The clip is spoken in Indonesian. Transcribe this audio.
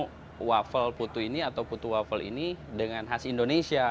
kita create menu waffle putu ini atau putu waffle ini dengan khas indonesia